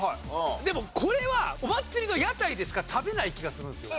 でもこれはお祭りの屋台でしか食べない気がするんですよ。